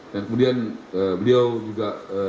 dan kemudian beliau juga